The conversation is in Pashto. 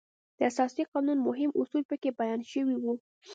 د اساسي قانون مهم اصول په کې بیان شوي وو.